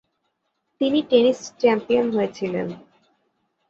তিনি tennis champion হয়েছিলেন।